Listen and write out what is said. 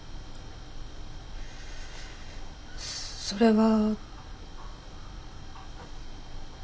それは。